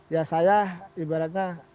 ya saya ibaratnya